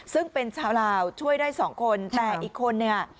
ซึ่งเป็นชาวลาวช่วยได้สองคนแต่อีกคนเนี่ย